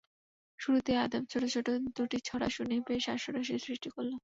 শুরুতেই আদেম ছোট ছোট দুটি ছড়া শুনিয়ে বেশ হাস্যরসের সৃষ্টি করল।